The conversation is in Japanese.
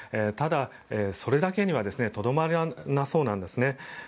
ただ、それだけにはとどまらなさそうなんですね。